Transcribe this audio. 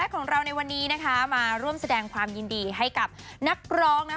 ของเราในวันนี้นะคะมาร่วมแสดงความยินดีให้กับนักร้องนะ